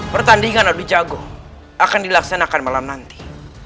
pertandingan lebih jago akan dilaksanakan malam nanti